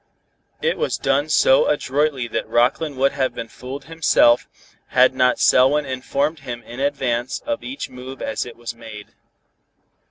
It was done so adroitly that Rockland would have been fooled himself, had not Selwyn informed him in advance of each move as it was made.